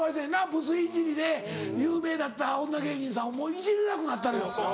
ブスいじりで有名だった女芸人さんをもういじれなくなったのよ。